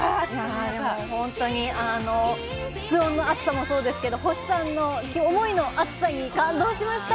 いやでも本当に室温の暑さもそうですけど星さんの思いの熱さに感動しました。